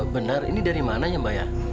benar ini dari mananya mbak ya